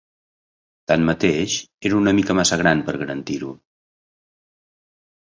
Tanmateix, era una mica massa gran per garantir-ho.